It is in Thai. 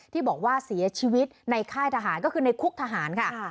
ที่บอกว่าเสียชีวิตในค่ายทหารก็คือในคุกทหารค่ะ